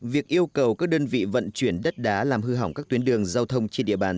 việc yêu cầu các đơn vị vận chuyển đất đá làm hư hỏng các tuyến đường giao thông trên địa bàn